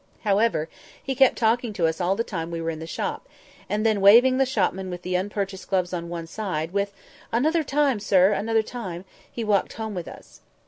However, he kept talking to us all the time we were in the shop; and then waving the shopman with the unpurchased gloves on one side, with "Another time, sir! another time!" he walked home with us.